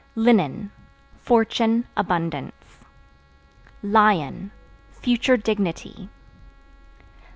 Linen Fortune, abundance. Lion Future dignity.